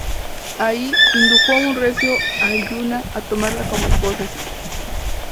Ahí indujo a un reacio Aryuna a tomarla como esposa.